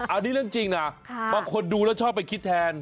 อันนี้เรื่องจริงนะบางคนดูแล้วชอบไปคิดแทน